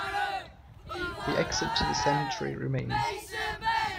The exit to the cemetery remains.